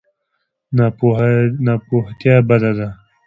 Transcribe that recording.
ناپوهتیا بده ده.